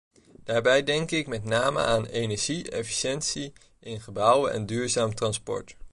Daarbij denk ik met name aan energie-efficiëntie in gebouwen en duurzaam transport.